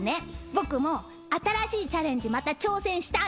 僕も新しいチャレンジまた挑戦したの。